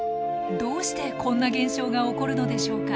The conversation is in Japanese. どうしてこんな現象が起こるのでしょうか。